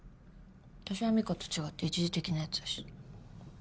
私は美香と違って一時的なやつだし。